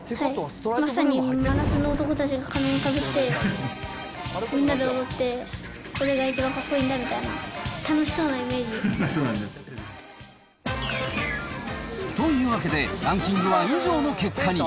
まさに真夏の男たちが仮面かぶって、みんなで踊って、俺が一番かっこいいんだみたいな、楽しそうなイメージ。というわけで、ランキングは以上の結果に。